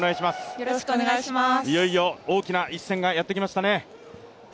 いよいよ大きな一戦がやってきましたね。